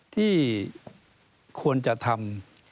ที่ควรจะทำ